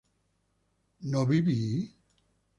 ¿no viví?